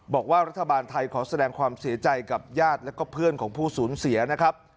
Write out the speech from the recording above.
บอกว่ารัฐบาลไทยขอแสดงความเสียใจกับญาติแล้วก็เพื่อนของผู้สูญเสียนะครับ